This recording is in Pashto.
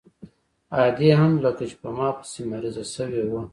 ادې هم لکه چې په ما پسې مريضه سوې وه.